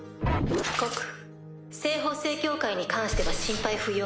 告西方聖教会に関しては心配不要かと。